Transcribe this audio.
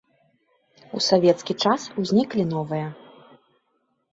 У савецкі час узніклі новыя.